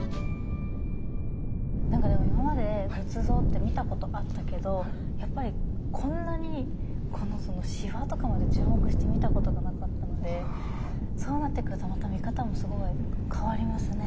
今まで仏像って見たことあったけどやっぱりこんなにこのしわとかまで注目して見たことがなかったのでそうなってくるとまた見方もすごい変わりますね。